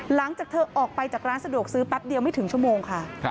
หลังจากเธอออกไปจากร้านสะดวกซื้อแป๊บเดียวไม่ถึงชั่วโมงค่ะ